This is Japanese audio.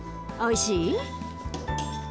おいしい？